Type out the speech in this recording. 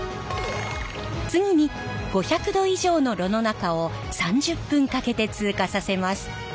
次に５００℃以上の炉の中を３０分かけて通過させます。